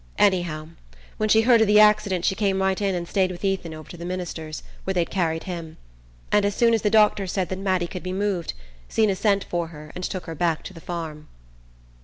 Anyhow, when she heard o' the accident she came right in and stayed with Ethan over to the minister's, where they'd carried him. And as soon as the doctors said that Mattie could be moved, Zeena sent for her and took her back to the farm."